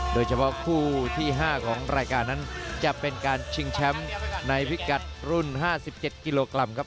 โดยเฉพาะคู่ที่๕ของรายการนั้นจะเป็นการชิงแชมป์ในพิกัดรุ่น๕๗กิโลกรัมครับ